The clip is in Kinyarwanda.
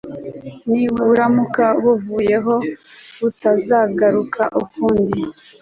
niburamuka buvuyeho butazagaruka ukundi